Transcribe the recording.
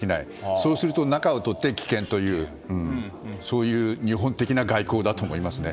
そうすると中をとって棄権というそういう日本的な外交だと思いますね。